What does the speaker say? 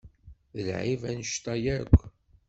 D lɛib annect-a yakk?